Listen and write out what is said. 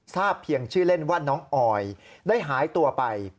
ทราบเพียงชื่อเล่นว่าน้องออยได้หายตัวไป